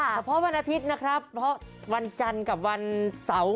เฉพาะวันอาทิตย์นะครับเพราะวันจันทร์กับวันเสาร์